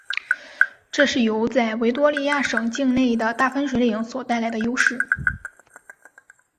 这是由在维多利亚省境内的大分水岭所带来的地势。